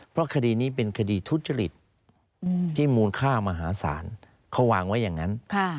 เพราะคดีนี้เป็นคดีทุจริตที่มูลค่ามหาศาลเขาวางไว้อย่างนั้น